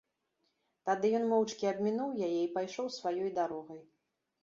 Тады ён моўчкі абмінуў яе і пайшоў сваёй дарогай.